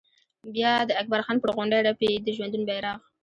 بیا د اکبر خان پر غونډۍ رپي د ژوندون بيرغ